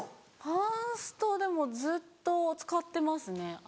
パンストでもずっと使ってますね。